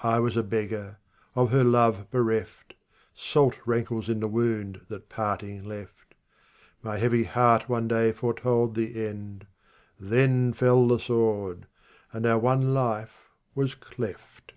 22 I was a beggar, of her love bereft ;^^ Salt rankles in the wound that parting left. My heavy heart one day foretold the end ; Then fell the sword, and our one life was cleft.